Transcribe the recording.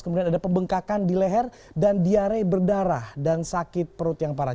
kemudian ada pembengkakan di leher dan diare berdarah dan sakit perut yang parah